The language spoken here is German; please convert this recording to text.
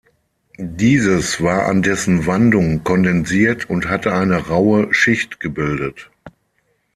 Dieses war an dessen Wandung kondensiert und hatte eine raue Schicht gebildet.